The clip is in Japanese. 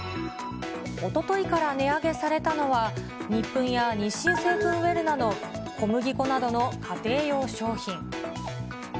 おとといから値上げされたのは、ニップンや日清製粉ウエルナの小麦粉などの家庭用商品。